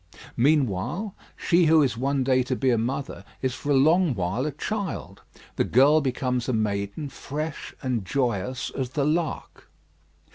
Meanwhile, she who is one day to be a mother is for a long while a child; the girl becomes a maiden, fresh and joyous as the lark.